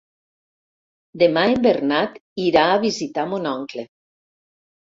Demà en Bernat irà a visitar mon oncle.